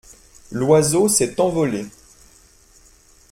L’oiseau s’est envolé.